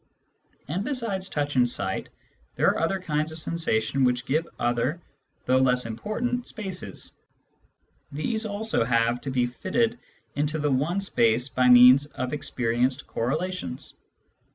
And besides touch and sight, there are other kinds* tion which give other, though less important spaces : these also have to be fitted into the one space by means of experienced correlations.